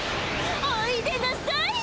おいでなさい！